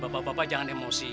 bapak bapak jangan emosi